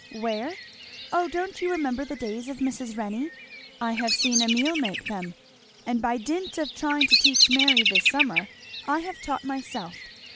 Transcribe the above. "Where? Oh don't you remember the days of Mrs. Renney? I have seen Emile make them. And by dint of trying to teach Mary this summer I have taught myself.